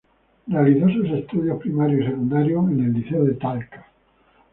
Realizó sus estudios primarios y secundarios en el Liceo de Talca.